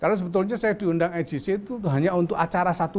karena sebetulnya saya diundang ajc itu hanya untuk acara satu